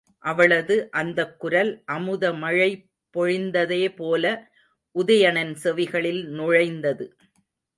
அவளது அந்தக் குரல் அமுதமழை பொழிந்ததேபோல உதயணன் செவிகளில் நுழைந்தது.